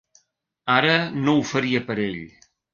Ara no ho faria per ell.